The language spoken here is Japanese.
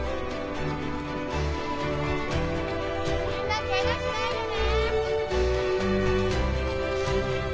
みんな怪我しないでね。